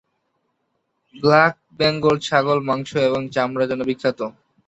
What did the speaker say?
Black Bengal ছাগল মাংস এবং চামড়ার জন্য বিখ্যাত।